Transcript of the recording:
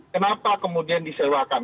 kenapa kemudian disewakan